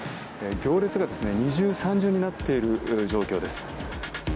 行列が二重、三重になっている状況です。